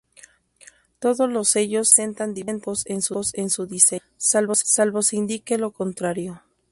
Todos los sellos presentan dibujos en su diseño, salvo se indique lo contrario.